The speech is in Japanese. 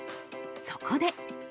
そこで。